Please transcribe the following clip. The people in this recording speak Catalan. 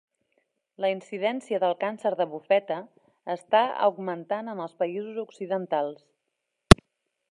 La incidència del càncer de bufeta està augmentant en els països occidentals.